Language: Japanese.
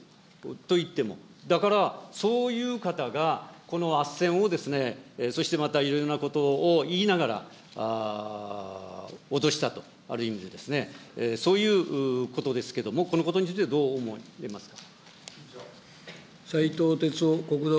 と言っても、だから、そういう方がこのあっせんを、そしてまたいろいろなことを言いながら、脅したと、ある意味でですね、そういうことですけれども、このことについてどう思いますか。